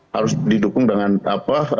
harus didukung dengan apa